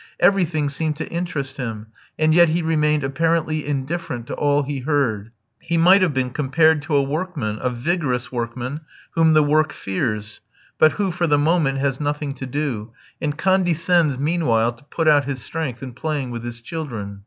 Everything seemed to interest him, and yet he remained apparently indifferent to all he heard. He might have been compared to a workman, a vigorous workman, whom the work fears; but who, for the moment, has nothing to do, and condescends meanwhile to put out his strength in playing with his children.